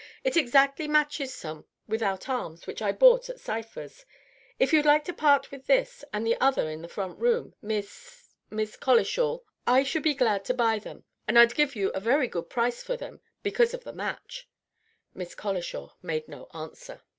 It exactly matches some without arms which I bought at Sypher's. If you'd like to part with this and the other in the front room, Miss Miss Collishall, I should be glad to buy them; and I'd give you a very good price for them because of the match." Miss Colishaw made no answer.